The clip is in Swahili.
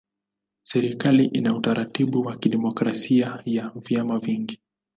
Serikali ina utaratibu wa kidemokrasia ya vyama vingi.